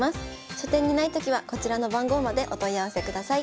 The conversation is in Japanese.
書店にないときはこちらの番号までお問い合わせください。